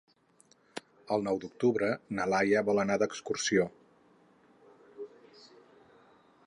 El nou d'octubre na Laia vol anar d'excursió.